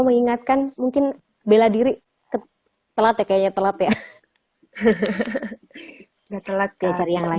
mengingatkan mungkin bela diri telat kayaknya telat ya hahaha enggak telat cari yang lain